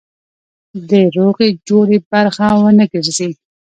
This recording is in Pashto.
د روغې جوړې برخه ونه ګرځي.